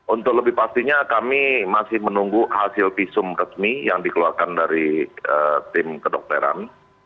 untuk lebih pastinya kami masih menunggu hasil visum resmi yang dikeluarkan dari tim kedokteran